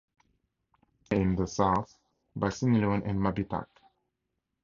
Maria, and in the south by Siniloan and Mabitac.